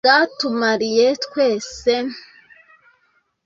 bwatumariye twese